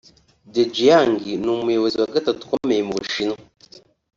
Dejiang ni umuyobozi wa gatatu ukomeye mu Bushinwa